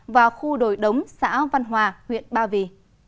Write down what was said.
và khu đồi đống xã văn hòa huyện ba vì